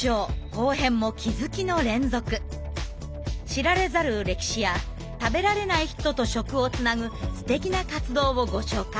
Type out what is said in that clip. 知られざる歴史や食べられない人と食をつなぐすてきな活動をご紹介。